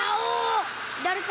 誰か。